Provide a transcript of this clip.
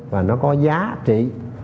và nó có giá trị